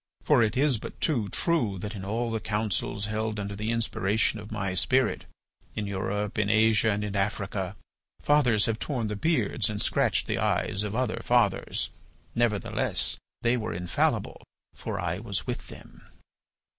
For it is but too true that in all the councils held under the inspiration of my spirit, in Europe, in Asia, and in Africa, fathers have torn the beards and scratched the eyes of other fathers. Nevertheless they were infallible, for I was with them."